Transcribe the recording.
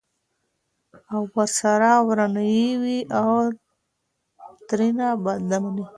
او ورسره ورانه یې وي او ترېنه بده مني!